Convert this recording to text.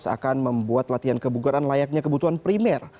akan membuat latihan kebugaran layaknya kebutuhan primer